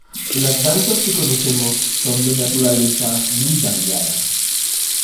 Las danzas que conocemos son de naturaleza muy variada.